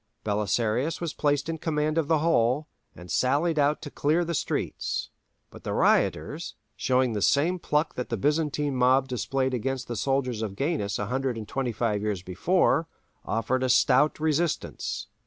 Belisarius was placed in command of the whole, and sallied out to clear the streets, but the rioters, showing the same pluck that the Byzantine mob displayed against the soldiers of Gainas a hundred and twenty five years before, offered a stout resistance.